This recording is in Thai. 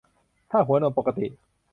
ถ้าหัวนมปกติ